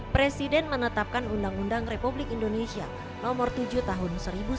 presiden menetapkan undang undang republik indonesia nomor tujuh tahun seribu sembilan ratus sembilan puluh